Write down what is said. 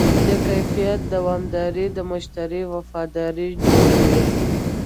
د کیفیت دوامداري د مشتری وفاداري جوړوي.